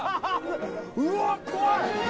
うわ怖い。